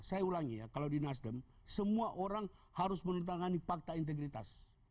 saya ulangi ya kalau di nasdem semua orang harus menentangani fakta integritas